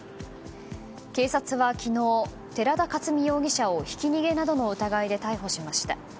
警察は昨日、寺田克己容疑者をひき逃げなどの疑いで逮捕しました。